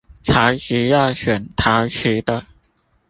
材質要選陶瓷的